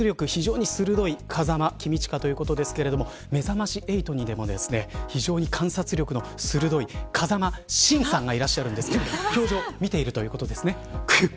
非常に鋭い風間公親ということですがめざまし８にも非常に観察力の鋭い風間晋さんがいらっしゃるんですけれども教場、見ているということですね。